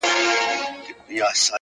دغه رنگينه او حسينه سپوږمۍ